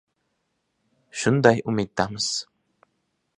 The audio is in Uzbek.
shunday umiddamiz.